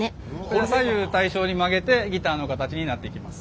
これを左右対称に曲げてギターの形になっていきます。